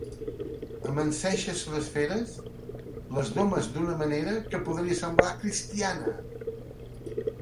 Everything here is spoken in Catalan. Amanseixes les feres, les domes d'una manera que podria semblar cristiana.